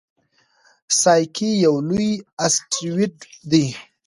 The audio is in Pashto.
سایکي یو لوی اسټروېډ دی.